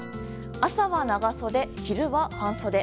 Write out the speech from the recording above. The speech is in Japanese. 朝は長袖、昼は半袖。